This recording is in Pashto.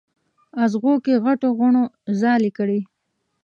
اغزو کې غټو غڼو ځالې کړي